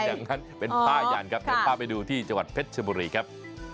อย่างนั้นเป็นผ้ายันครับเดี๋ยวพาไปดูที่จังหวัดเพชรชบุรีครับ